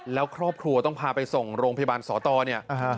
แล้วครอบครัวไปส่งไปโรงพยาบาลสตเนี่ย